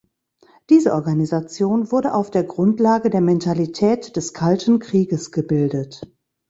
Diese Organisation wurde auf der Grundlage der Mentalität des Kalten Krieges gebildet.